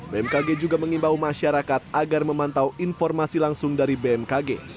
bmkg juga mengimbau masyarakat agar memantau informasi langsung dari bmkg